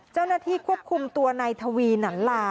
เจ้าหน้าที่ควบคุมตัวนายทวีหนันลา